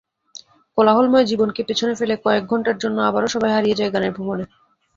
কোলাহলময় জীবনকে পেছনে ফেলে কয়েক ঘণ্টার জন্য আবারও সবাই হারিয়ে যায় গানের ভুবনে।